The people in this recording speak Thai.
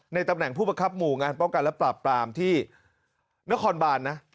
ตำแหน่งผู้ประคับหมู่งานป้องกันและปราบปรามที่นครบานนะ